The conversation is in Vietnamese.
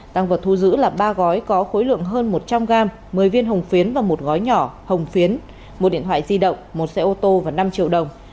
tăng vật thu giữ là ba gói có khối lượng hơn một trăm linh gram một mươi viên hồng phiến và một gói nhỏ hồng phiến một điện thoại di động một xe ô tô và năm triệu đồng